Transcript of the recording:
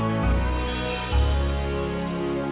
apakah pilihan afif sudah bener atau enggak